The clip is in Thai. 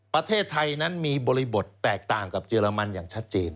ประเทศไทยนั้นมีบริบทแตกต่างกับเยอรมันอย่างชัดเจน